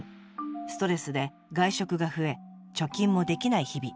ストレスで外食が増え貯金もできない日々。